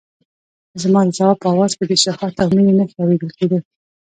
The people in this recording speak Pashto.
زما د ځواب په آواز کې د شهوت او مينې نښې اورېدل کېدې.